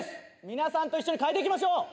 皆さんと一緒に変えていきましょう。